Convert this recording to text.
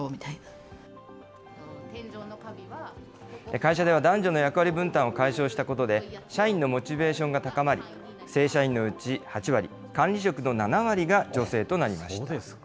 会社では男女の役割分担を解消したことで、社員のモチベーションが高まり、正社員のうち８割、管理職の７割が女性となりました。